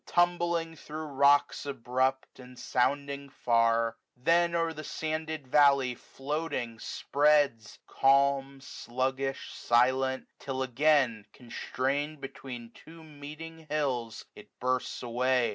Tumbling thro' rocks abrupt, and sounding far ; Then o'er the sanded valley floating spreads, 100 Calm, sluggish, silent ; till again, constraint Between two meeting hills, it bursts away.